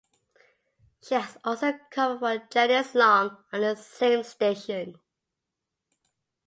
She has also covered for Janice Long on the same station.